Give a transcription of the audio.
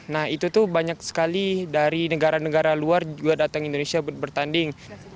nah itu tuh banyak sekali dari negara negara luar juga datang ke indonesia bertanding